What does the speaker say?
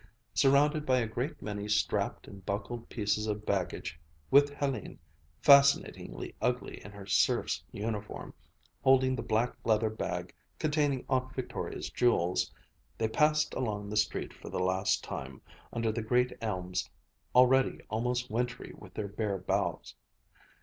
Surrounded by a great many strapped and buckled pieces of baggage, with Hélène, fascinatingly ugly in her serf's uniform, holding the black leather bag containing Aunt Victoria's jewels, they passed along the street for the last time, under the great elms already almost wintry with their bare boughs.